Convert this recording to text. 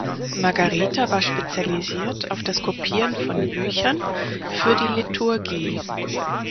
Margareta war spezialisiert auf das Kopieren von Büchern für die Liturgie.